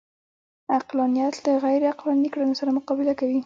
عقلانیت له غیرعقلاني کړنو سره مقابله کوي